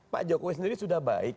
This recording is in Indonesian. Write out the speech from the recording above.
pak jokowi sendiri sudah baik